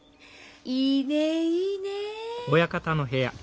いいねいいね！